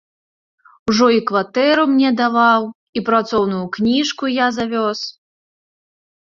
Ужо і кватэру мне даваў, і працоўную кніжку я завёз.